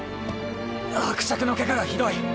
伯爵のケガがひどい。